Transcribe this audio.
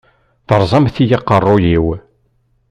Teṛẓamt-iyi aqeṛṛuy-iw.